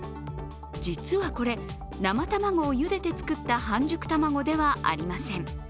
実はこれ、生卵をゆでて作った半熟卵ではありません。